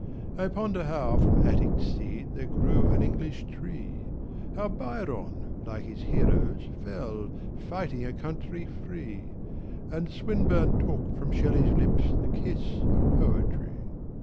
I ponder how from Attic seed There grew an EngHsh tree, How Byron Hke his heroes fell. Fighting a country free, And Swinburne took from Shelley's lips The kiss of Poetry.